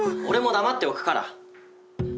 俺も黙っておくから。